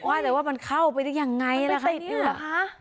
ว่าแต่ว่ามันเข้าไปยังไงมันไปติดอยู่หรอ